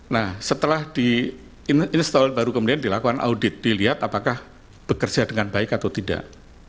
nah setelah di install baru kemudian dilakukan audit dilihat apakah bekerja dengan baik atau tidak